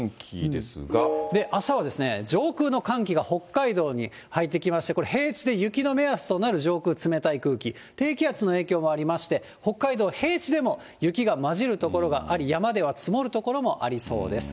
あしたは上空の寒気が北海道に入ってきまして、これ、平地で雪の目安となる上空、冷たい空気、低気圧の影響もありまして、北海道、平地でも雪が混じる所があり、山では積もる所もありそうです。